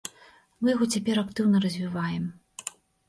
Мы яго цяпер актыўна развіваем.